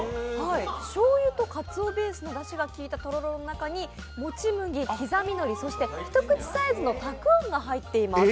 しょうゆとカツオベースのだしが効いたとろろの中にもち麦、刻みのり、そして一口サイズのたくあんが入ってます。